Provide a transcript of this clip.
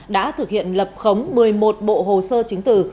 đã thực hiện lập khống một mươi một bộ hồ sơ chứng tử